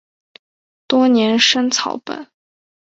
多年生草本。